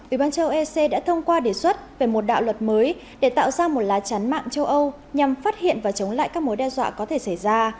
ủy ban châu ec đã thông qua đề xuất về một đạo luật mới để tạo ra một lá chắn mạng châu âu nhằm phát hiện và chống lại các mối đe dọa có thể xảy ra